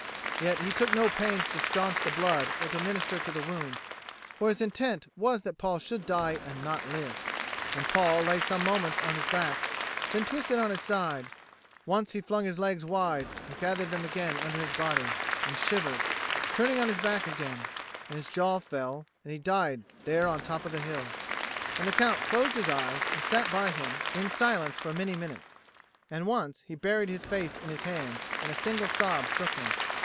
Yet he took no pains to stanch the blood or to minister to the wound, for his intent was that Paul should die and not live. And Paul lay some moments on his back, then twisted on his side; once he flung his legs wide and gathered them again under his body, and shivered, turning on his back again: and his jaw fell, and he died there on the top of the hill. And the Count closed his eyes, and sat by him in silence for many minutes; and once he buried his face in his hands, and a single sob shook him.